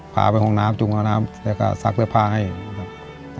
พาไปห้องน้ำจุงห้องน้ำแล้วก็ซักเสื้อผ้าให้ครับ